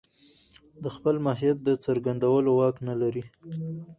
د خپل ماهيت د څرګندولو واک نه لري.